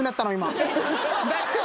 大丈夫？